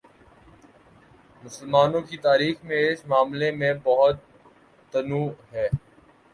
مسلمانوں کی تاریخ میں اس معاملے میں بہت تنوع ہے۔